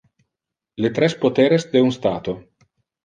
Le tres poteres de un stato.